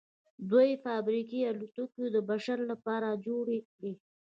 دوی فابریکې او الوتکې د بشر لپاره جوړې کړې